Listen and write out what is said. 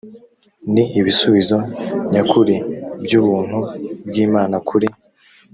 ni ibisubizo nyakuri by ubuntu bw imana kuri